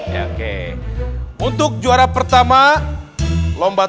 yang menang jangan sombong